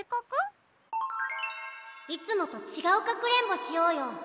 いつもとちがうかくれんぼしようよ！